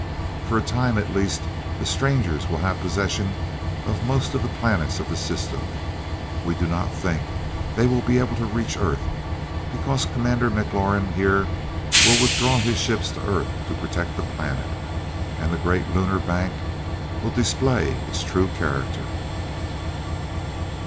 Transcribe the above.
For a time, at least, the Strangers will have possession of most of the planets of the system. We do not think they will be able to reach Earth, because Commander McLaurin here will withdraw his ships to Earth to protect the planet and the great 'Lunar Bank' will display its true character."